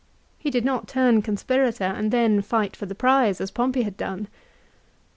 He did not turn conspirator and then fight for the prize as Pompey had done.